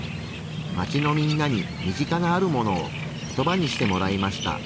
街のみんなに身近なあるものをコトバにしてもらいました。